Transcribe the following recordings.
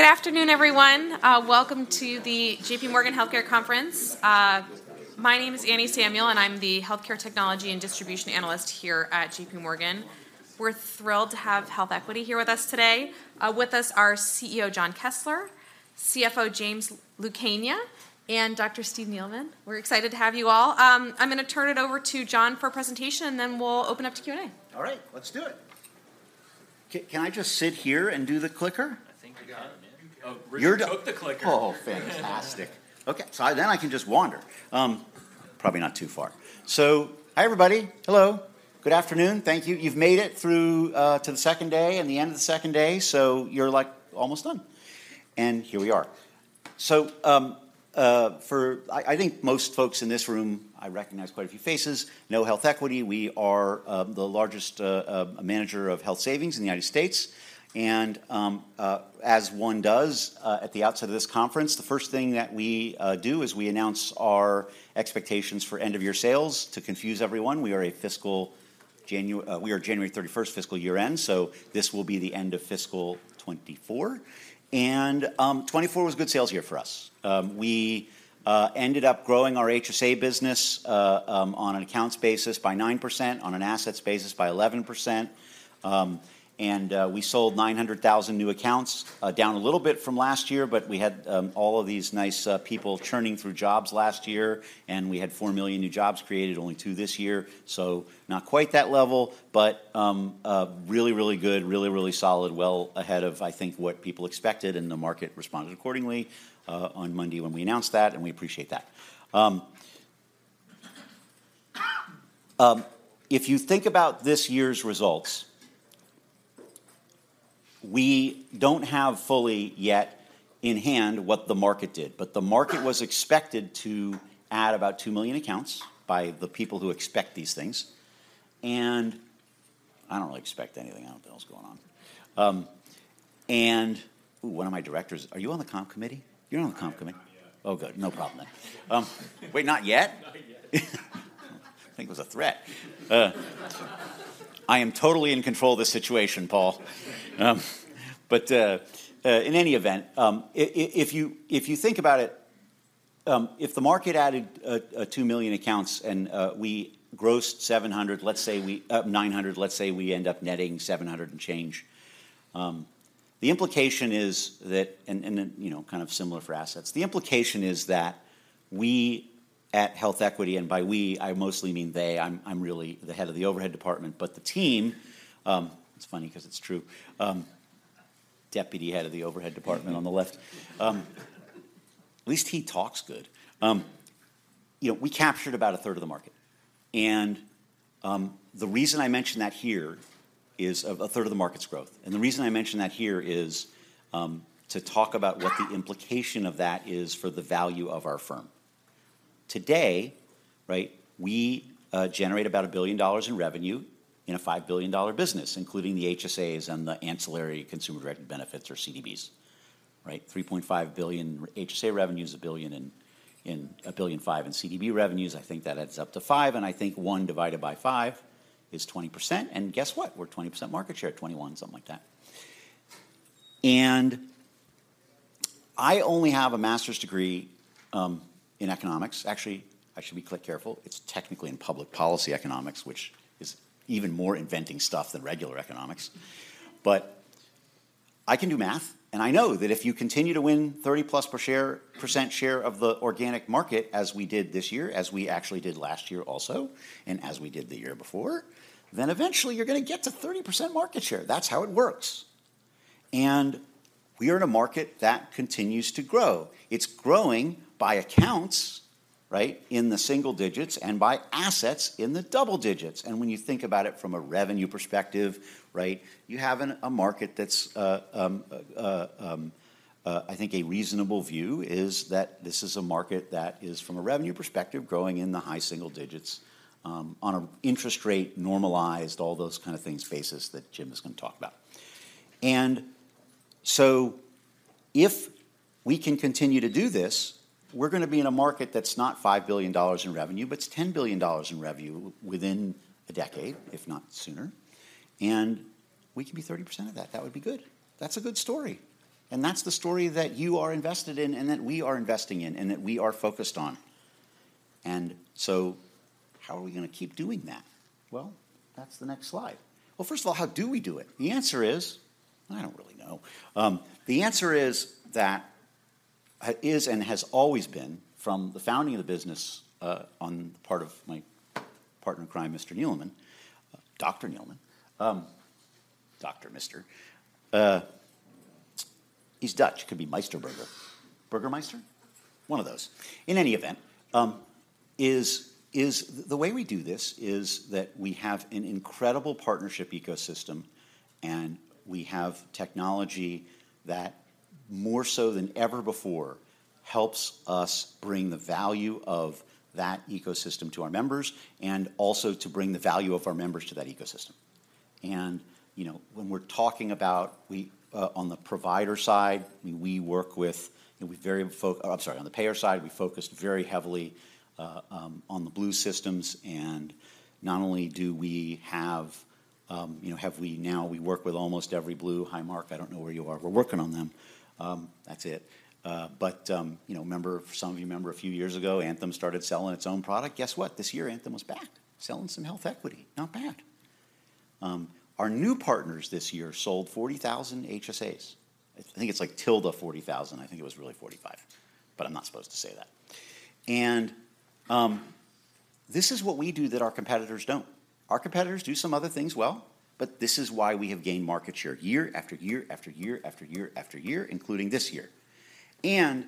Good afternoon, everyone. Welcome to the JPMorgan Healthcare Conference. My name is Anne Samuel, and I'm the Healthcare Technology and Distribution Analyst here at JPMorgan. We're thrilled to have HealthEquity here with us today. With us are CEO Jon Kessler, CFO James Lucania, and Dr. Steve Neeleman. We're excited to have you all. I'm gonna turn it over to Jon for a presentation, and then we'll open up to Q&A. All right, let's do it. Can I just sit here and do the clicker? I think you can, yeah. You're the- We took the clicker. Oh, fantastic. Okay, so I... Then I can just wander. Probably not too far. So hi, everybody. Hello. Good afternoon. Thank you. You've made it through to the second day, and the end of the second day, so you're, like, almost done, and here we are. So, I think most folks in this room, I recognize quite a few faces, know HealthEquity. We are the largest manager of health savings in the U.S., and, as one does, at the outset of this conference, the first thing that we do is we announce our expectations for end-of-year sales. To confuse everyone, we are a January 31st fiscal year-end, so this will be the end of fiscal 2024. And, 2024 was a good sales year for us. We ended up growing our HSA business on an accounts basis by 9%, on an assets basis by 11%, and we sold 900,000 new accounts, down a little bit from last year, but we had all of these nice people churning through jobs last year, and we had 4 million new jobs created, only 2 million this year. So not quite that level, but a really, really good, really, really solid, well ahead of, I think, what people expected, and the market responded accordingly on Monday when we announced that, and we appreciate that. If you think about this year's results, we don't have fully yet in hand what the market did, but the market was expected to add about 2 million accounts by the people who expect these things, and I don't really expect anything. I don't know what the hell's going on. Ooh, one of my directors, are you on the comp committee? You're on the comp committee. I am not yet. Oh, good. No problem then. Wait, not yet? Not yet. I think it was a threat. I am totally in control of the situation, Paul. But in any event, if you think about it, if the market added 2 million accounts, and we grossed $700, let's say $900, let's say we end up netting $700 and change, the implication is that... And then, you know, kind of similar for assets. The implication is that we, at HealthEquity, and by we, I mostly mean they, I'm really the head of the overhead department, but the team... It's funny 'cause it's true. Deputy head of the overhead department on the left. At least he talks good. You know, we captured about a third of the market, and the reason I mention that here is a third of the market's growth, and the reason I mention that here is to talk about what the implication of that is for the value of our firm. Today, right, we generate about $1 billion in revenue in a $5 billion business, including the HSAs and the ancillary consumer-directed benefits, or CDBs, right? $3.5 billion HSA revenue is $1 billion in $1.5 billion in CDB revenues. I think that adds up to $5 billion, and I think $1 billion divided by $5 billion is 20%, and guess what? We're 20% market share, 21%, something like that. And I only have a master's degree in economics. Actually, I should be careful. It's technically in public policy economics, which is even more inventing stuff than regular economics. But I can do math, and I know that if you continue to win 30%+ share of the organic market, as we did this year, as we actually did last year also, and as we did the year before, then eventually you're gonna get to 30% market share. That's how it works. And we are in a market that continues to grow. It's growing by accounts, right, in the single digits, and by assets in the double digits, and when you think about it from a revenue perspective, right, you have a market that's... I think a reasonable view is that this is a market that is, from a revenue perspective, growing in the high single digits, on a interest rate, normalized, all those kind of things, basis, that Jim is gonna talk about. And so if we can continue to do this, we're gonna be in a market that's not $5 billion in revenue, but it's $10 billion in revenue within a decade, if not sooner, and we can be 30% of that. That would be good. That's a good story, and that's the story that you are invested in, and that we are investing in, and that we are focused on. And so how are we gonna keep doing that? Well, that's the next slide. Well, first of all, how do we do it? The answer is, I don't really know. The answer is that is and has always been, from the founding of the business, on the part of my partner in crime, Mr. Neeleman, Dr. Neeleman, Dr. Mister, he's Dutch, could be Meisterburger, Burgermeister? One of those. In any event, the way we do this is that we have an incredible partnership ecosystem, and we have technology that, more so than ever before, helps us bring the value of that ecosystem to our members and also to bring the value of our members to that ecosystem. And, you know, when we're talking about we, on the provider side, we work with, you know, oh, I'm sorry, on the payer side, we focused very heavily on the Blue systems. And not only do we have, you know, we now work with almost every Blue. Hi, Mark, I don't know where you are. We're working on them. That's it. But, you know, remember, some of you remember a few years ago, Anthem started selling its own product. Guess what? This year, Anthem was back, selling some HealthEquity. Not bad. Our new partners this year sold 40,000 HSAs. I think it's like ~40,000. I think it was really 45, but I'm not supposed to say that. And this is what we do that our competitors don't. Our competitors do some other things well, but this is why we have gained market share year-after-year-after-year-after-year-after-year, including this year. And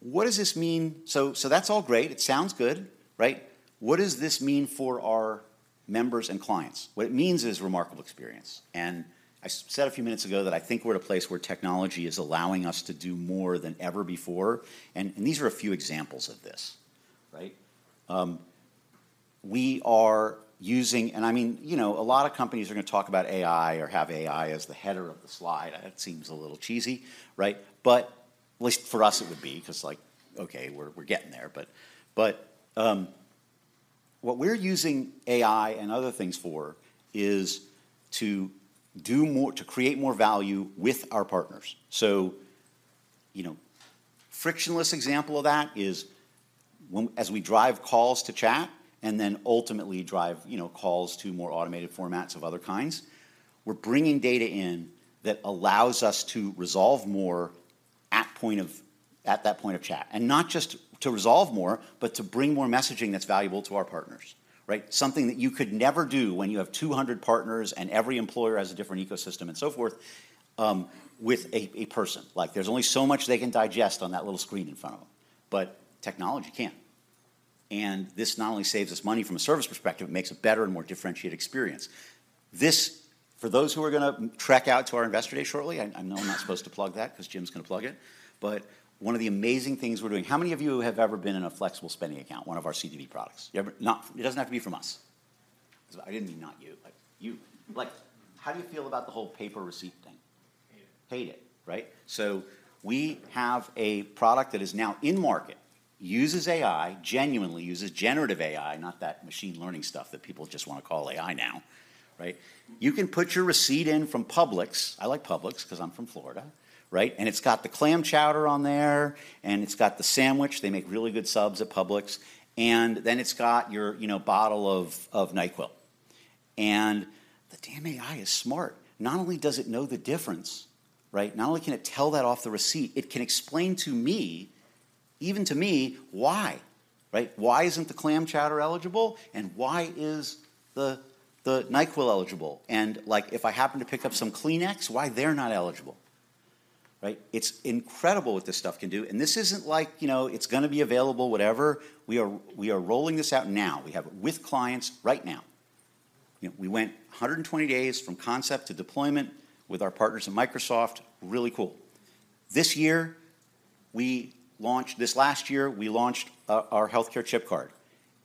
what does this mean? So that's all great. It sounds good, right? What does this mean for our members and clients? What it means is remarkable experience, and I said a few minutes ago that I think we're at a place where technology is allowing us to do more than ever before, and these are a few examples of this, right? We are using. And I mean, you know, a lot of companies are gonna talk about AI or have AI as the header of the slide. That seems a little cheesy, right? But at least for us, it would be, 'cause, like, okay, we're getting there. But what we're using AI and other things for is to do more, to create more value with our partners. So, you know, frictionless example of that is when as we drive calls to chat and then ultimately drive, you know, calls to more automated formats of other kinds, we're bringing data in that allows us to resolve more at point of, at that point of chat, and not just to resolve more, but to bring more messaging that's valuable to our partners, right? Something that you could never do when you have 200 partners, and every employer has a different ecosystem and so forth, with a person. Like, there's only so much they can digest on that little screen in front of them, but technology can. And this not only saves us money from a service perspective, it makes a better and more differentiated experience. This, for those who are gonna trek out to our Investor Day shortly, I know I'm not supposed to plug that 'cause Jim's gonna plug it, but one of the amazing things we're doing... How many of you have ever been in a flexible spending account, one of our CDB products? You ever... Not, it doesn't have to be from us. I didn't mean not you, like, you. Like, how do you feel about the whole paper receipt thing? Hate it. Hate it, right? So we have a product that is now in market, uses AI, genuinely uses generative AI, not that machine learning stuff that people just wanna call AI now, right? You can put your receipt in from Publix. I like Publix 'cause I'm from Florida, right? And it's got the clam chowder on there, and it's got the sandwich. They make really good subs at Publix. And then it's got your, you know, bottle of NyQuil. And the damn AI is smart. Not only does it know the difference, right? Not only can it tell that off the receipt, it can explain to me, even to me, why, right? Why isn't the clam chowder eligible, and why is the NyQuil eligible? And, like, if I happen to pick up some Kleenex, why they're not eligible, right? It's incredible what this stuff can do, and this isn't like, you know, it's gonna be available, whatever. We are, we are rolling this out now. We have it with clients right now. You know, we went 120 days from concept to deployment with our partners at Microsoft. Really cool. This year, we launched... This last year, we launched our healthcare chip card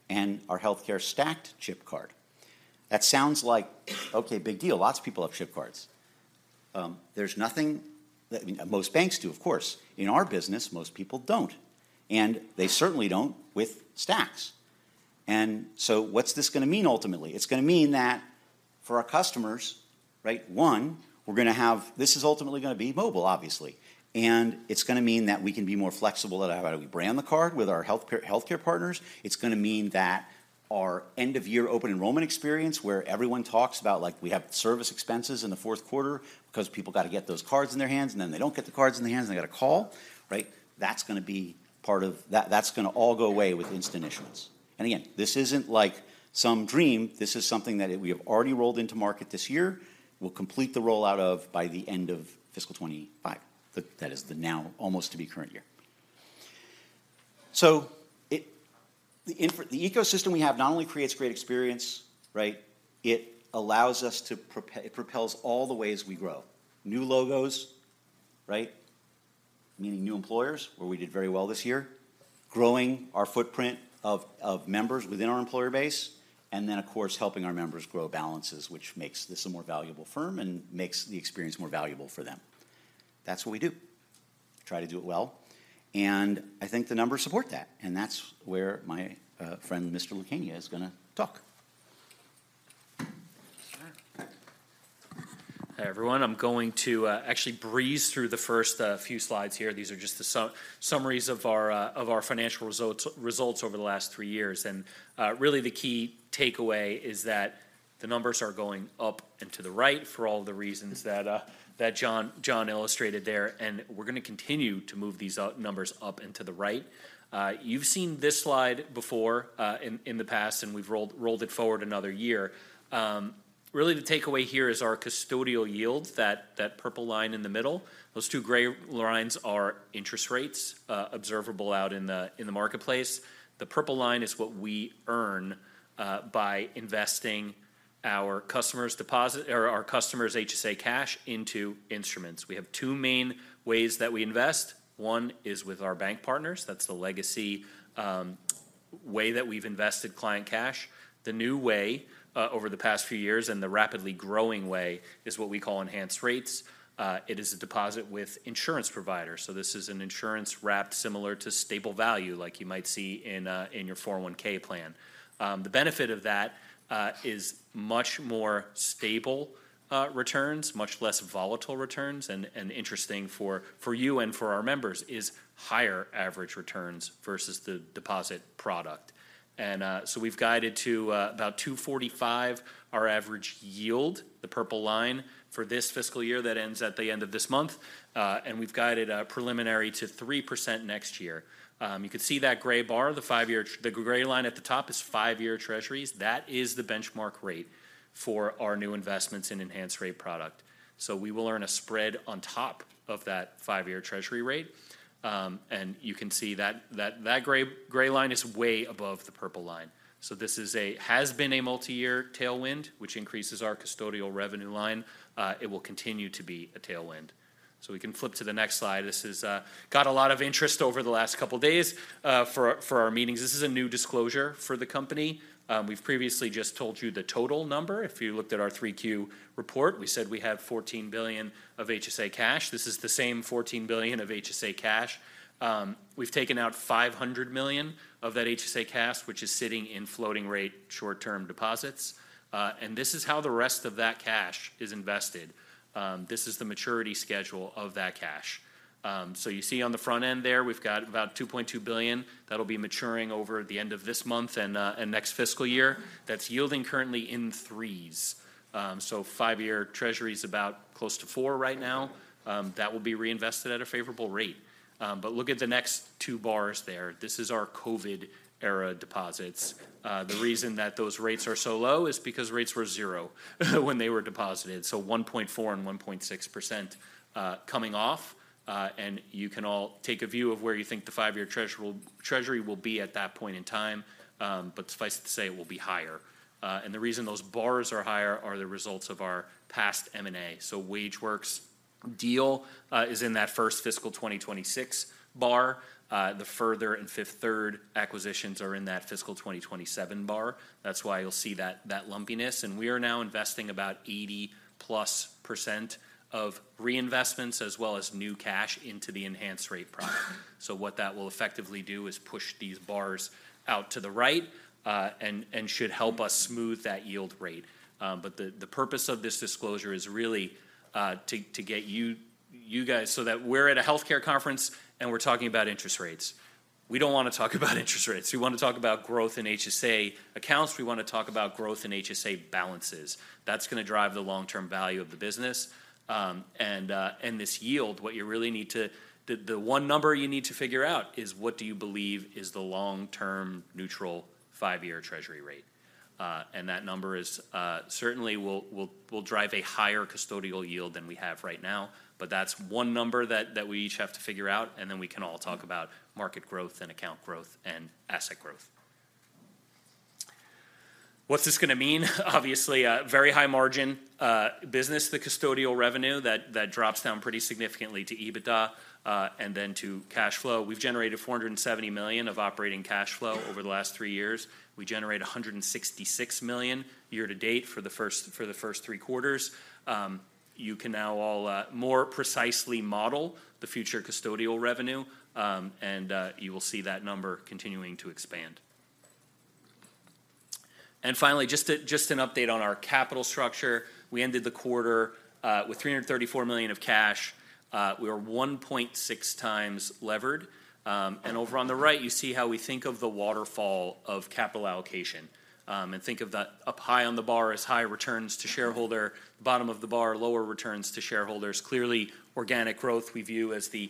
and our healthcare stacked chip card. That sounds like, okay, big deal, lots of people have chip cards. There's nothing that... Most banks do, of course. In our business, most people don't, and they certainly don't with stacks. And so what's this gonna mean ultimately? It's gonna mean that for our customers, right, one, we're gonna have... This is ultimately gonna be mobile, obviously, and it's gonna mean that we can be more flexible about how we brand the card with our healthcare, healthcare partners. It's gonna mean that our end-of-year Open Enrollment experience, where everyone talks about, like, we have service expenses in the fourth quarter 'cause people gotta get those cards in their hands, and then they don't get the cards in their hands, and they gotta call, right? That's gonna be part of... That, that's gonna all go away with Instant Issuance. And again, this isn't like some dream. This is something that we have already rolled into market this year. We'll complete the rollout by the end of fiscal 2025. That is the now almost to be current year. So it, the infrastructure the ecosystem we have not only creates great experience, right? It allows us to. It propels all the ways we grow. New logos, right? Meaning new employers, where we did very well this year, growing our footprint of members within our employer base, and then, of course, helping our members grow balances, which makes this a more valuable firm and makes the experience more valuable for them. That's what we do. Try to do it well, and I think the numbers support that, and that's where my friend, Mr. Lucania, is gonna talk. Sure. Hi, everyone. I'm going to actually breeze through the first few slides here. These are just the summaries of our financial results over the last three years. Really, the key takeaway is that the numbers are going up and to the right for all the reasons that Jon illustrated there, and we're gonna continue to move these numbers up and to the right. You've seen this slide before in the past, and we've rolled it forward another year. Really, the takeaway here is our custodial yield, that purple line in the middle. Those two gray lines are interest rates observable out in the marketplace. The purple line is what we earn by investing our customers' deposit or our customers' HSA cash into instruments. We have two main ways that we invest. One is with our bank partners. That's the legacy way that we've invested client cash. The new way, over the past few years, and the rapidly growing way, is what we call Enhanced Rates. It is a deposit with insurance providers. So this is an insurance-wrapped similar to Stable Value, like you might see in your 401(k) plan. The benefit of that is much more stable returns, much less volatile returns, and interesting for you and for our members, is higher average returns versus the deposit product. And so we've guided to about 2.45% our average yield, the purple line, for this fiscal year that ends at the end of this month, and we've guided preliminary to 3% next year. You can see that gray bar, the five-year—the gray line at the top is Five-Year Treasuries. That is the benchmark rate for our new investments in enhanced rate product. So we will earn a spread on top of that Five-Year Treasury rate. And you can see that gray line is way above the purple line. So this has been a multi-year tailwind, which increases our custodial revenue line. It will continue to be a tailwind. So we can flip to the next slide. This has got a lot of interest over the last couple of days for our meetings. This is a new disclosure for the company. We've previously just told you the total number. If you looked at our 3Q report, we said we have $14 billion of HSA cash. This is the same $14 billion of HSA cash. We've taken out $500 million of that HSA cash, which is sitting in floating rate short-term deposits, and this is how the rest of that cash is invested. This is the maturity schedule of that cash. So you see on the front end there, we've got about $2.2 billion. That'll be maturing over the end of this month and next fiscal year. That's yielding currently 3%. So Five-Year Treasury is about close to 4% right now. That will be reinvested at a favorable rate. But look at the next two bars there. This is our COVID-era deposits. The reason that those rates are so low is because rates were zero when they were deposited, so 1.4% and 1.6%, coming off. You can all take a view of where you think the Five-Year Treasury will be at that point in time, but suffice it to say, it will be higher. And the reason those bars are higher are the results of our past M&A. So WageWorks deal is in that first fiscal 2026 bar. The Further and Fifth Third acquisitions are in that fiscal 2027 bar. That's why you'll see that, that lumpiness. And we are now investing about 80%+ of reinvestments as well as new cash into the enhanced rate product. So what that will effectively do is push these bars out to the right, and should help us smooth that yield rate. But the purpose of this disclosure is really to get you guys so that we're at a healthcare conference, and we're talking about interest rates. We don't wanna talk about interest rates. We wanna talk about growth in HSA accounts. We wanna talk about growth in HSA balances. That's gonna drive the long-term value of the business. And this yield, what you really need to. The one number you need to figure out is, what do you believe is the long-term neutral Five-Year Treasury rate? And that number certainly will drive a higher custodial yield than we have right now, but that's one number that we each have to figure out, and then we can all talk about market growth and account growth and asset growth. What's this gonna mean? Obviously, a very high margin business, the custodial revenue, that drops down pretty significantly to EBITDA, and then to cash flow. We've generated $470 million of operating cash flow over the last three years. We generate $166 million year-to-date for the first three quarters. You can now all more precisely model the future custodial revenue, and you will see that number continuing to expand. And finally, just an update on our capital structure. We ended the quarter with $334 million of cash. We are 1.6x levered. Over on the right, you see how we think of the waterfall of capital allocation, and think of that up high on the bar as high returns to shareholder, bottom of the bar, lower returns to shareholders. Clearly, organic growth we view as the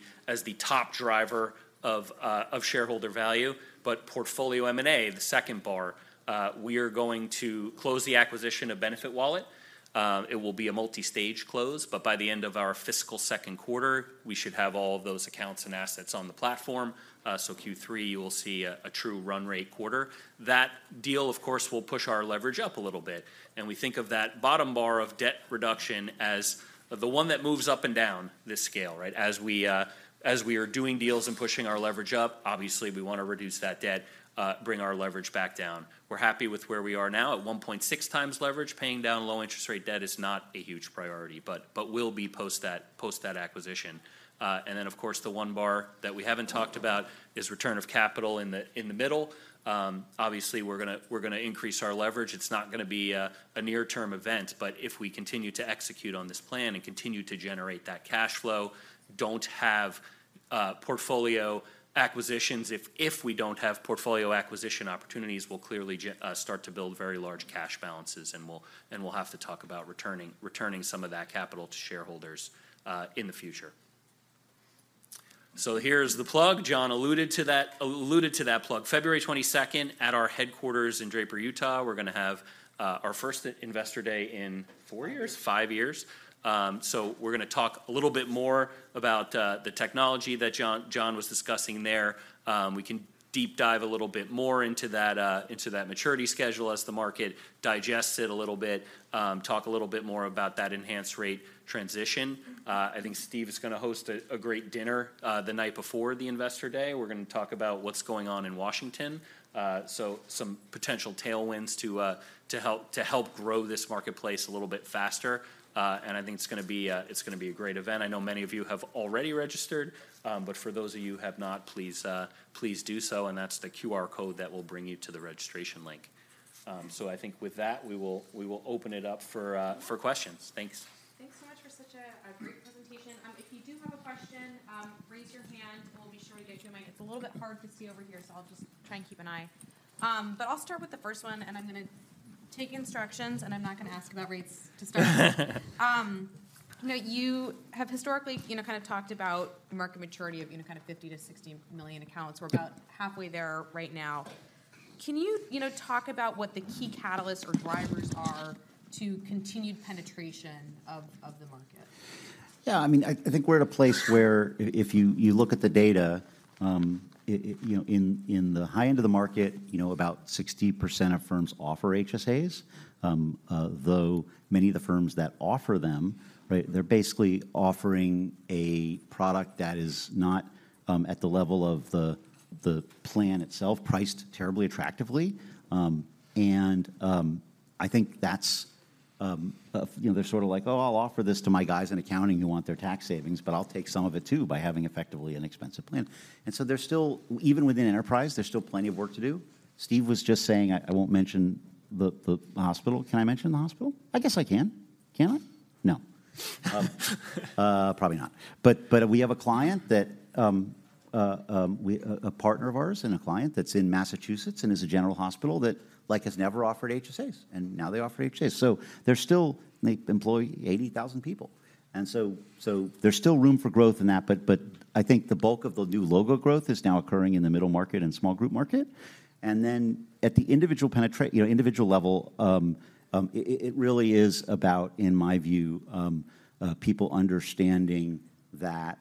top driver of shareholder value, but portfolio M&A, the second bar, we are going to close the acquisition of BenefitWallet. It will be a multi-stage close, but by the end of our fiscal second quarter, we should have all of those accounts and assets on the platform. So Q3, you will see a true run rate quarter. That deal, of course, will push our leverage up a little bit, and we think of that bottom bar of debt reduction as the one that moves up and down this scale, right? As we, as we are doing deals and pushing our leverage up, obviously, we wanna reduce that debt, bring our leverage back down. We're happy with where we are now. At 1.6x leverage, paying down low interest rate debt is not a huge priority, but will be post that acquisition. And then, of course, the one bar that we haven't talked about is return of capital in the middle. Obviously, we're gonna increase our leverage. It's not gonna be a near-term event, but if we continue to execute on this plan and continue to generate that cash flow, don't have portfolio acquisitions, if we don't have portfolio acquisition opportunities, we'll clearly start to build very large cash balances, and we'll have to talk about returning some of that capital to shareholders in the future. ... So here's the plug. Jon alluded to that, alluded to that plug. February 22nd, at our headquarters in Draper, Utah, we're gonna have our first Investor Day in- Four years? Five years. So we're gonna talk a little bit more about the technology that Jon, Jon was discussing there. We can deep dive a little bit more into that, into that maturity schedule as the market digests it a little bit. Talk a little bit more about that enhanced rate transition. I think Steve is gonna host a, a great dinner the night before the Investor Day. We're gonna talk about what's going on in Washington. So some potential tailwinds to to help, to help grow this marketplace a little bit faster. And I think it's gonna be, it's gonna be a great event. I know many of you have already registered, but for those of you who have not, please, please do so, and that's the QR code that will bring you to the registration link. I think with that, we will open it up for questions. Thanks. Thanks so much for such a great presentation. If you do have a question, raise your hand, and we'll be sure we get to you. It's a little bit hard to see over here, so I'll just try and keep an eye. But I'll start with the first one, and I'm gonna take instructions, and I'm not gonna ask about rates to start. You know, you have historically, you know, kinda talked about the market maturity of, you know, kind of 50 million-60 million accounts. We're about halfway there right now. Can you, you know, talk about what the key catalysts or drivers are to continued penetration of the market? Yeah, I mean, I think we're at a place where if you look at the data, you know, in the high end of the market, you know, about 60% of firms offer HSAs. Though many of the firms that offer them, right, they're basically offering a product that is not at the level of the plan itself priced terribly attractively. I think that's you know, they're sort of like: "Oh, I'll offer this to my guys in accounting who want their tax savings, but I'll take some of it, too, by having effectively an expensive plan." And so there's still even within enterprise, there's still plenty of work to do. Steve was just saying I won't mention the hospital. Can I mention the hospital? I guess I can. Can I? No. Probably not. But we have a client that, a partner of ours and a client that's in Massachusetts and is a general hospital that, like, has never offered HSAs, and now they offer HSAs. So they still, like, employ 80,000 people, and so there's still room for growth in that, but I think the bulk of the new logo growth is now occurring in the middle market and small group market. And then, at the individual penetra- you know, individual level, it really is about, in my view, people understanding that,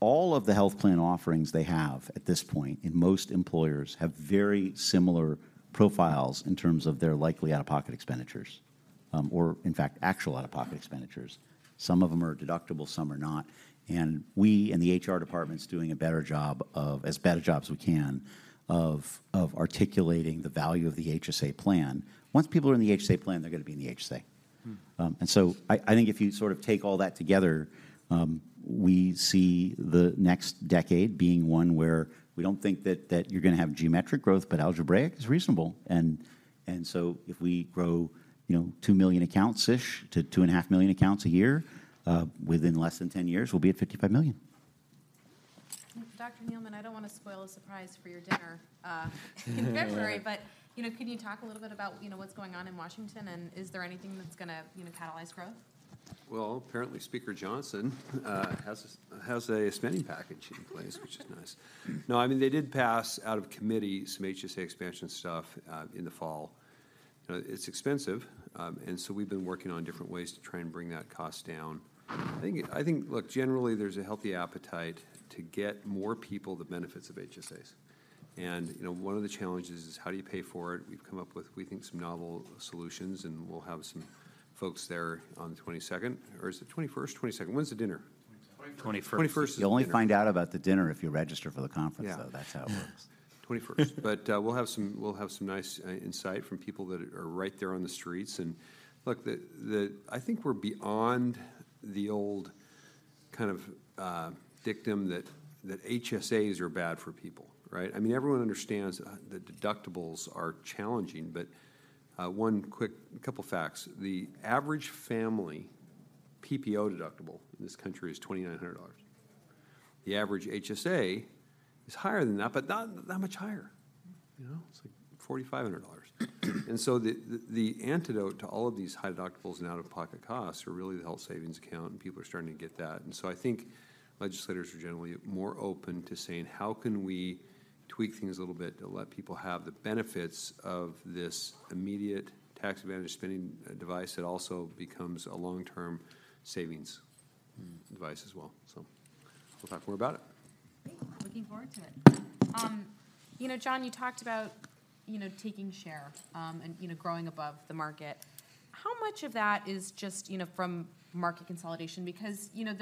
all of the health plan offerings they have at this point, and most employers, have very similar profiles in terms of their likely out-of-pocket expenditures, or in fact, actual out-of-pocket expenditures. Some of them are deductible, some are not, and we in the HR department's doing a better job of... as better job as we can, of articulating the value of the HSA plan. Once people are in the HSA plan, they're gonna be in the HSA. Mm. And so I think if you sort of take all that together, we see the next decade being one where we don't think that you're gonna have geometric growth, but algebraic is reasonable. And so if we grow, you know, 2 million accounts-ish to 2.5 million accounts a year, within less than 10 years, we'll be at 55 million. Dr. Neeleman, I don't wanna spoil the surprise for your dinner in February. Yeah... but, you know, can you talk a little bit about, you know, what's going on in Washington, and is there anything that's gonna, you know, catalyze growth? Well, apparently, Speaker Johnson has a spending package in place—which is nice. No, I mean, they did pass out of committee some HSA expansion stuff in the fall. It's expensive, and so we've been working on different ways to try and bring that cost down. I think, look, generally, there's a healthy appetite to get more people the benefits of HSAs, and, you know, one of the challenges is, how do you pay for it? We've come up with, we think, some novel solutions, and we'll have some folks there on the 22nd. Or is it 21st or 22nd? When's the dinner? 21st. 21st is the dinner. You only find out about the dinner if you register for the conference, though. Yeah. That's how it works. 21st. But, we'll have some, we'll have some nice, insight from people that are right there on the streets. And look, the I think we're beyond the old kind of, dictum that, that HSAs are bad for people, right? I mean, everyone understands, that deductibles are challenging, but, one quick- couple facts: the average family PPO deductible in this country is $2,900. The average HSA is higher than that, but not that much higher, you know? It's, like, $4,500. And so the, the, the antidote to all of these high deductibles and out-of-pocket costs are really the health savings account, and people are starting to get that. And so I think legislators are generally more open to saying: How can we tweak things a little bit to let people have the benefits of this immediate tax-advantaged spending, device that also becomes a long-term savings- Mm... device as well? So we'll talk more about it. Great. Looking forward to it. You know, Jon, you talked about, you know, taking share, and, you know, growing above the market. How much of that is just, you know, from market consolidation? Because, you know,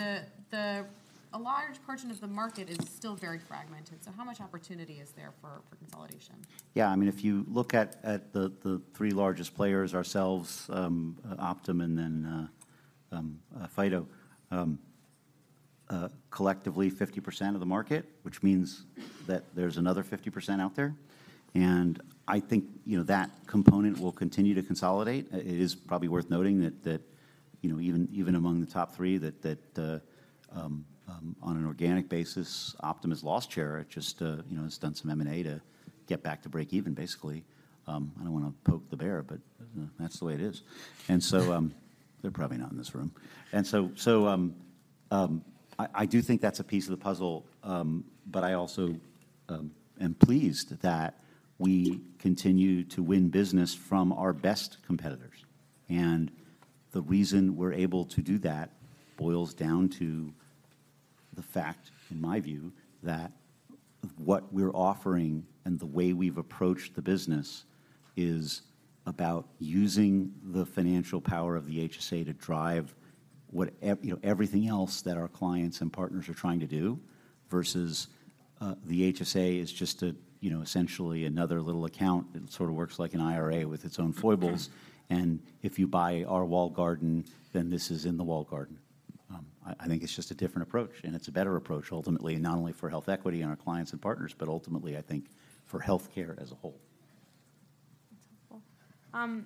a large portion of the market is still very fragmented, so how much opportunity is there for consolidation? Yeah, I mean, if you look at the three largest players, ourselves, Optum, and then Fidelity, collectively 50% of the market, which means that there's another 50% out there, and I think, you know, that component will continue to consolidate. It is probably worth noting that, you know, even among the top three, that on an organic basis, Optum has lost share. It just, you know, has done some M&A to get back to break even, basically. I don't wanna poke the bear, but that's the way it is. They're probably not in this room. So, I do think that's a piece of the puzzle, but I also am pleased that we continue to win business from our best competitors. And the reason we're able to do that boils down to the fact, in my view, that what we're offering and the way we've approached the business is about using the financial power of the HSA to drive what you know, everything else that our clients and partners are trying to do, versus, the HSA is just a, you know, essentially another little account that sort of works like an IRA with its own foibles, and if you buy our walled garden, then this is in the walled garden. I, I think it's just a different approach, and it's a better approach ultimately, not only for HealthEquity and our clients and partners, but ultimately, I think, for healthcare as a whole. That's helpful.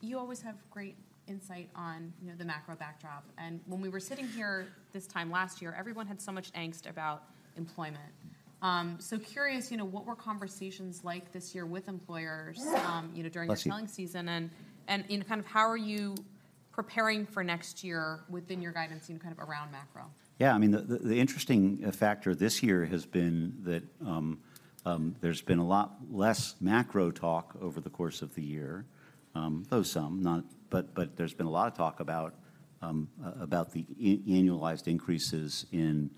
You always have great insight on, you know, the macro backdrop, and when we were sitting here this time last year, everyone had so much angst about employment. So curious, you know, what were conversations like this year with employers, you know, during- Bless you... the selling season? And, you know, kind of how are you preparing for next year within your guidance and kind of around macro? Yeah, I mean, the interesting factor this year has been that there's been a lot less macro talk over the course of the year. Though some, not... But, there's been a lot of talk about the annualized increases in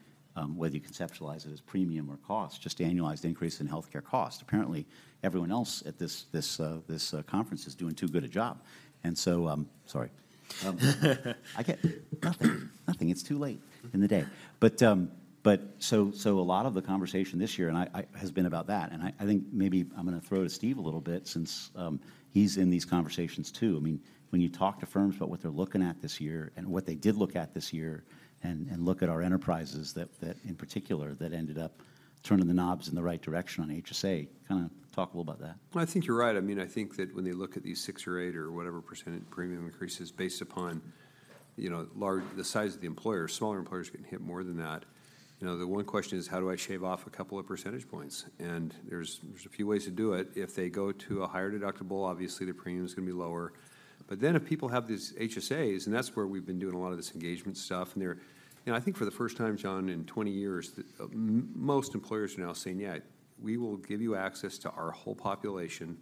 whether you conceptualize it as premium or cost, just annualized increase in healthcare cost. Apparently, everyone else at this conference is doing too good a job. And so, sorry. Nothing. Nothing, it's too late in the day. But, so a lot of the conversation this year has been about that, and I think maybe I'm gonna throw to Steve a little bit since he's in these conversations, too. I mean, when you talk to firms about what they're looking at this year and what they did look at this year, and look at our enterprises that in particular ended up turning the knobs in the right direction on HSA, kinda talk a little about that. Well, I think you're right. I mean, I think that when they look at these 6% or 8% or whatever percentage premium increases based upon, you know, the size of the employer, smaller employers are getting hit more than that. You know, the one question is: How do I shave off a couple of percentage points? And there's a few ways to do it. If they go to a higher deductible, obviously their premium is gonna be lower. But then if people have these HSAs, and that's where we've been doing a lot of this engagement stuff, and they're... You know, I think for the first time, Jon, in 20 years, most employers are now saying, "Yeah, we will give you access to our whole population.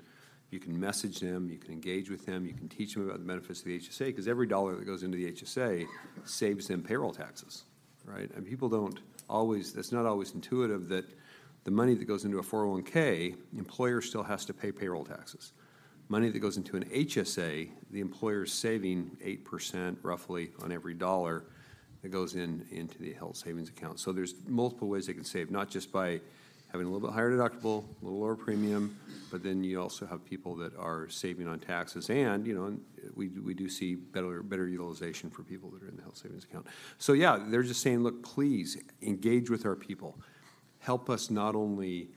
You can message them, you can engage with them, you can teach them about the benefits of the HSA, 'cause every dollar that goes into the HSA saves them payroll taxes, right? And people don't always—it's not always intuitive that the money that goes into a 401(k), the employer still has to pay payroll taxes. Money that goes into an HSA, the employer is saving 8% roughly on every dollar that goes in, into the health savings account. So there's multiple ways they can save, not just by having a little bit higher deductible, a little lower premium, but then you also have people that are saving on taxes. And, you know, and we do, we do see better, better utilization for people that are in the health savings account. So yeah, they're just saying: Look, please engage with our people. Help us not only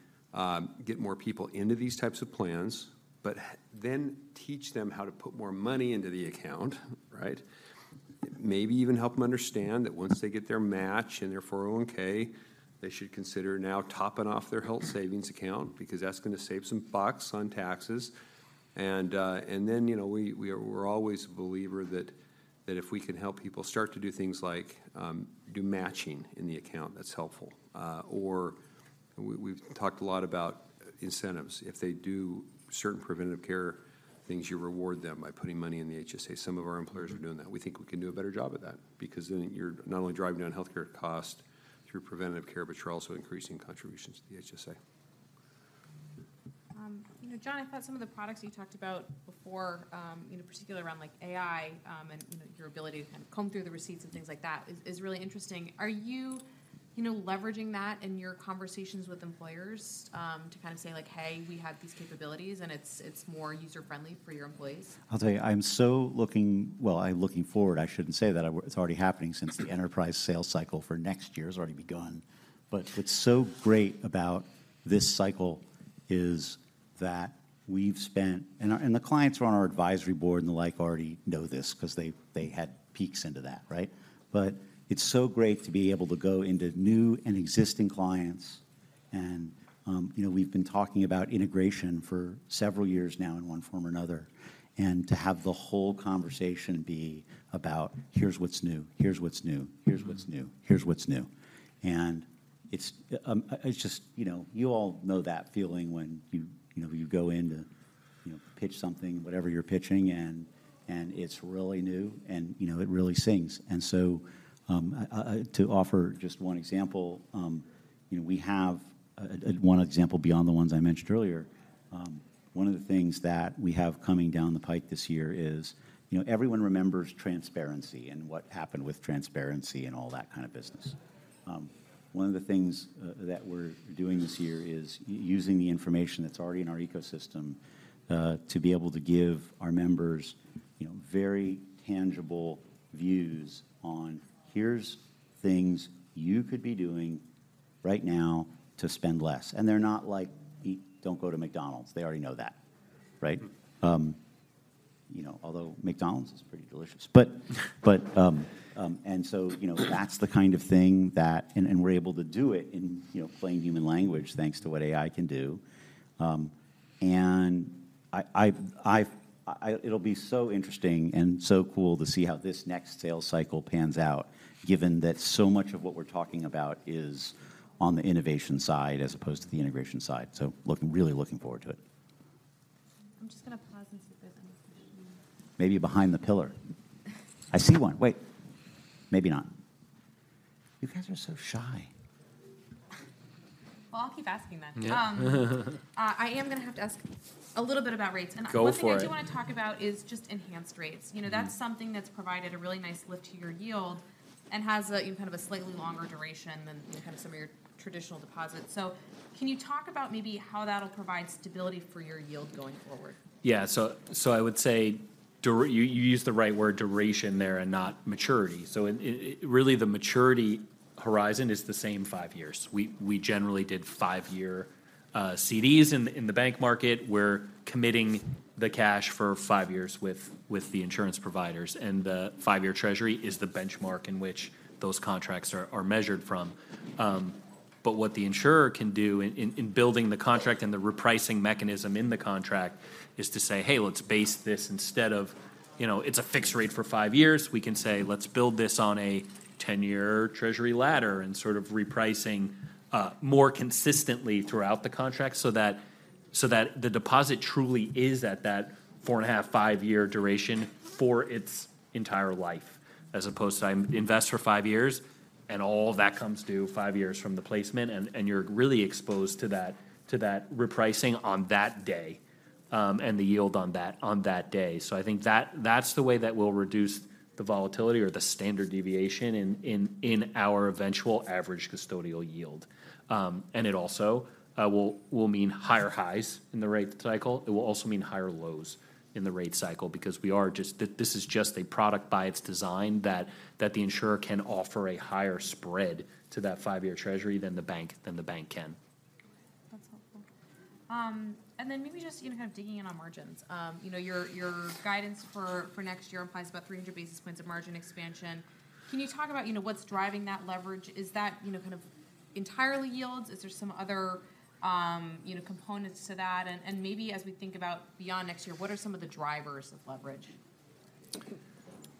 get more people into these types of plans, but then teach them how to put more money into the account, right? Maybe even help them understand that once they get their match in their 401(k), they should consider now topping off their health savings account, because that's gonna save some bucks on taxes. And then, you know, we're always a believer that if we can help people start to do things like do matching in the account, that's helpful. Or we've talked a lot about incentives. If they do certain preventative care things, you reward them by putting money in the HSA. Some of our employers are doing that. We think we can do a better job of that, because then you're not only driving down healthcare cost through preventative care, but you're also increasing contributions to the HSA. You know, Jon, I thought some of the products you talked about before, you know, particularly around, like, AI, and, you know, your ability to kind of comb through the receipts and things like that, is, is really interesting. Are you, you know, leveraging that in your conversations with employers, to kind of say, like: Hey, we have these capabilities, and it's, it's more user-friendly for your employees? I'll tell you, I'm so looking... Well, I'm looking forward, I shouldn't say that. It's already happening, since the enterprise sales cycle for next year has already begun. But what's so great about this cycle is that we've spent and our, and the clients who are on our advisory board and the like already know this, 'cause they had peeks into that, right? But it's so great to be able to go into new and existing clients, and you know, we've been talking about integration for several years now in one form or another, and to have the whole conversation be about: Here's what's new, here's what's new, here's what's new, here's what's new. And it's just, you know, you all know that feeling when you, you know, you go in to, you know, pitch something, whatever you're pitching, and, and it's really new, and, you know, it really sings. And so, to offer just one example, you know, we have one example beyond the ones I mentioned earlier. One of the things that we have coming down the pipe this year is, you know, everyone remembers transparency and what happened with transparency and all that kind of business. One of the things that we're doing this year is using the information that's already in our ecosystem to be able to give our members, you know, very tangible views on, "Here's things you could be doing right now to spend less." And they're not like, "Don't go to McDonald's." They already know that, right? You know, although McDonald's is pretty delicious. But, but, and so, you know, that's the kind of thing that. And, and we're able to do it in, you know, plain human language, thanks to what AI can do. And it'll be so interesting and so cool to see how this next sales cycle pans out, given that so much of what we're talking about is on the innovation side as opposed to the integration side. So looking, really looking forward to it. I'm just gonna pause and see if there's any questions. Maybe behind the pillar. I see one. Wait, maybe not. You guys are so shy. Well, I'll keep asking then. Yeah. I am gonna have to ask a little bit about rates. Go for it. One thing I do wanna talk about is just Enhanced Rates. Mm. You know, that's something that's provided a really nice lift to your yield, and has a, you know, kind of a slightly longer duration than, you know, kind of some of your traditional deposits. So can you talk about maybe how that'll provide stability for your yield going forward? Yeah, so, so I would say, you used the right word, duration there, and not maturity. So it really the maturity horizon is the same five years. We generally did five-year CDs in the bank market. We're committing the cash for five years with the insurance providers, and the Five-Year Treasury is the benchmark in which those contracts are measured from. But what the insurer can do in building the contract and the repricing mechanism in the contract, is to say, "Hey, let's base this instead of..." You know, it's a fixed rate for five-years. We can say, "Let's build this on a 10-Year Treasury ladder," and sort of repricing more consistently throughout the contract so that the deposit truly is at that four and a half, five-year duration for its entire life, as opposed to I invest for five years, and all of that comes due five years from the placement, and you're really exposed to that repricing on that day and the yield on that day. So I think that's the way that we'll reduce the volatility or the standard deviation in our eventual average custodial yield. And it also will mean higher highs in the rate cycle. It will also mean higher lows in the rate cycle, because we are just... This is just a product by its design, that the insurer can offer a higher spread to that Five-Year Treasury than the bank can. That's helpful. And then maybe just, you know, kind of digging in on margins. You know, your guidance for next year implies about 300 basis points of margin expansion. Can you talk about, you know, what's driving that leverage? Is that, you know, kind of entirely yields? Is there some other, you know, components to that? And maybe as we think about beyond next year, what are some of the drivers of leverage?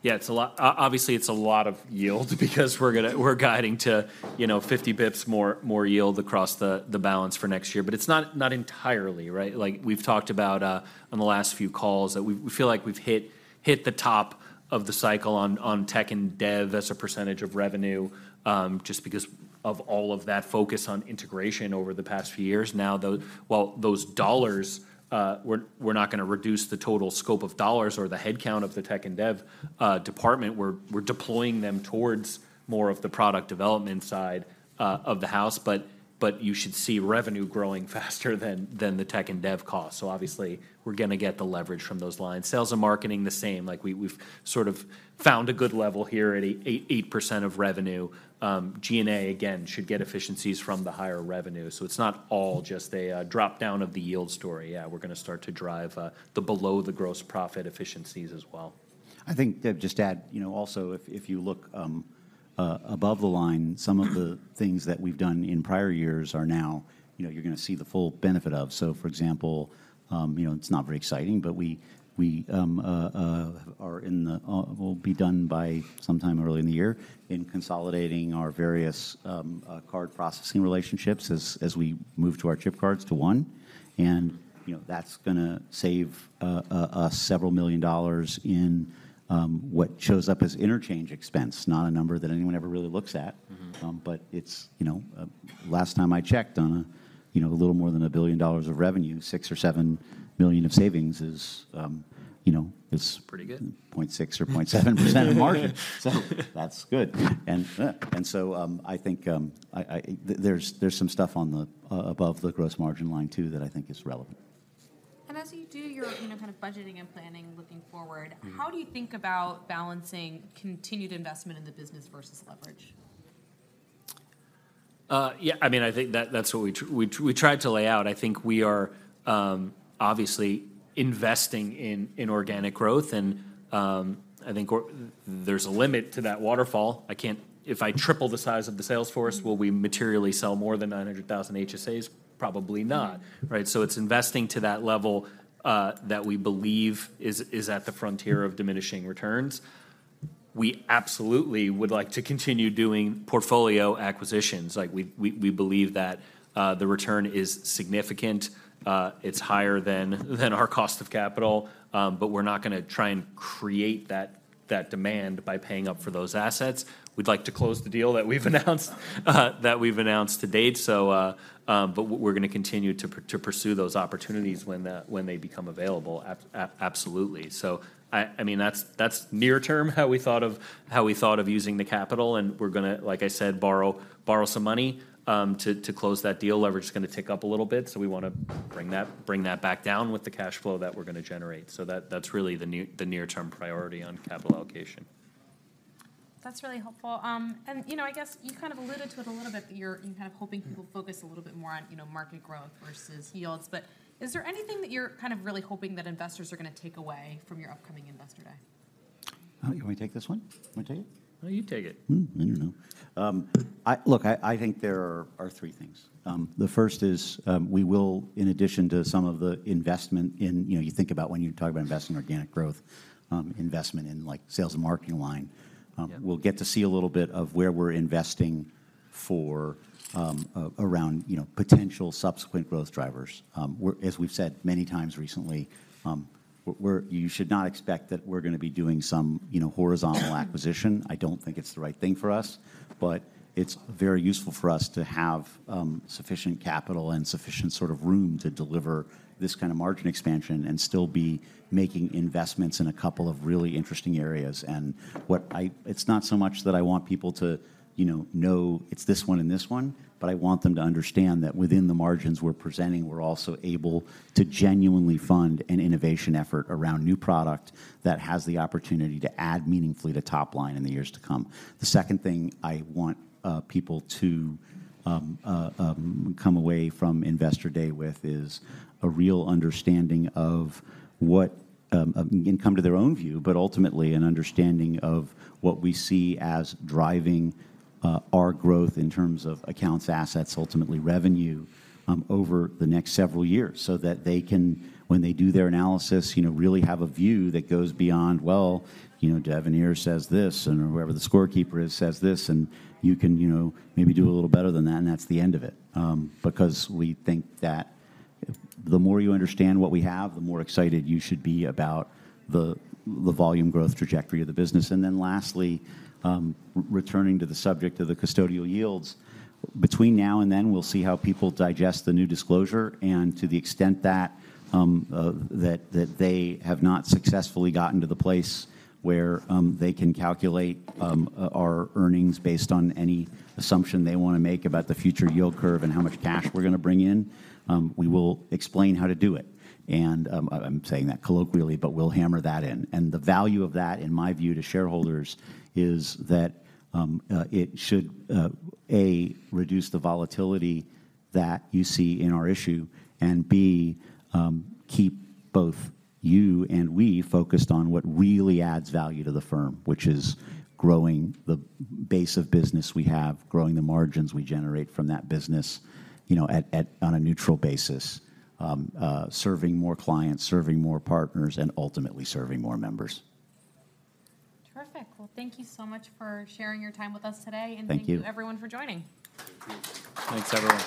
Yeah, it's a lot... Obviously, it's a lot of yield because we're guiding to, you know, 50 basis points more yield across the balance for next year. But it's not entirely, right? Like, we've talked about on the last few calls, that we feel like we've hit the top of the cycle on tech and dev as a percentage of revenue, just because of all of that focus on integration over the past few years. Now, while those dollars, we're not gonna reduce the total scope of dollars or the head count of the tech and dev department, we're deploying them towards more of the product development side of the house. But you should see revenue growing faster than the tech and dev cost. So obviously, we're gonna get the leverage from those lines. Sales and marketing, the same. Like, we, we've sort of found a good level here at 8.8% of revenue. G&A, again, should get efficiencies from the higher revenue, so it's not all just a drop-down of the yield story. Yeah, we're gonna start to drive the below-the-gross-profit efficiencies as well. I think, to just add, you know, also, if you look above the line, some of the things that we've done in prior years are now, you know, you're gonna see the full benefit of. So, for example, you know, it's not very exciting, but we will be done by sometime early in the year in consolidating our various card processing relationships as we move to our chip cards to one. And, you know, that's gonna save us several million dollars in what shows up as interchange expense, not a number that anyone ever really looks at. Mm-hmm. But it's, you know, last time I checked, on a, you know, a little more than $1 billion of revenue, $6 million or $7 million of savings is, you know, is- Pretty good... 0.6%-0.7% of margin. So that's good. And, yeah, and so, I think, there's some stuff on the above the gross margin line, too, that I think is relevant. As you do your, you know, kind of budgeting and planning looking forward- Mm... how do you think about balancing continued investment in the business versus leverage? Yeah, I mean, I think that that's what we tried to lay out. I think we are obviously investing in organic growth, and I think there's a limit to that waterfall. I can't... If I triple the size of the sales force, will we materially sell more than 900,000 HSAs? Probably not. Mm. Right? So it's investing to that level that we believe is at the frontier of diminishing returns. We absolutely would like to continue doing portfolio acquisitions. Like, we believe that the return is significant. It's higher than our cost of capital. But we're not gonna try and create that demand by paying up for those assets. We'd like to close the deal that we've announced to date. So, but we're gonna continue to pursue those opportunities when they become available, absolutely. So I mean, that's near term, how we thought of using the capital, and we're gonna, like I said, borrow some money to close that deal. Leverage is gonna tick up a little bit, so we wanna bring that, bring that back down with the cash flow that we're gonna generate. So that, that's really the new- the near-term priority on capital allocation. That's really helpful. And, you know, I guess you kind of alluded to it a little bit, that you're kind of hoping people focus a little bit more on, you know, market growth versus yields. But is there anything that you're kind of really hoping that investors are gonna take away from your upcoming Investor Day?... you want me to take this one? You want me to take it? No, you take it. I don't know. Look, I think there are three things. The first is, we will, in addition to some of the investment in... You know, you think about when you talk about investing in organic growth, investment in, like, sales and marketing line. Yeah. We'll get to see a little bit of where we're investing for around, you know, potential subsequent growth drivers. As we've said many times recently, you should not expect that we're gonna be doing some, you know, horizontal acquisition. I don't think it's the right thing for us, but it's very useful for us to have sufficient capital and sufficient sort of room to deliver this kind of margin expansion and still be making investments in a couple of really interesting areas. And what I... It's not so much that I want people to, you know, know it's this one and this one, but I want them to understand that within the margins we're presenting, we're also able to genuinely fund an innovation effort around new product that has the opportunity to add meaningfully to top line in the years to come. The second thing I want people to come away from Investor Day with is a real understanding of what and come to their own view, but ultimately, an understanding of what we see as driving our growth in terms of accounts, assets, ultimately revenue, over the next several years. So that they can, when they do their analysis, you know, really have a view that goes beyond, "Well, you know, Devenir says this," and whoever the scorekeeper is, says this, and you can, you know, maybe do a little better than that, and that's the end of it. Because we think that the more you understand what we have, the more excited you should be about the, the volume growth trajectory of the business. Then lastly, returning to the subject of the custodial yields, between now and then, we'll see how people digest the new disclosure, and to the extent that they have not successfully gotten to the place where they can calculate our earnings based on any assumption they wanna make about the future yield curve and how much cash we're gonna bring in, we will explain how to do it. And, I'm saying that colloquially, but we'll hammer that in. The value of that, in my view, to shareholders, is that it should reduce the volatility that you see in our issue, and keep both you and we focused on what really adds value to the firm, which is growing the base of business we have, growing the margins we generate from that business, you know, on a neutral basis. Serving more clients, serving more partners, and ultimately serving more members. Terrific. Well, thank you so much for sharing your time with us today. Thank you. Thank you, everyone, for joining. Thank you. Thanks, everyone.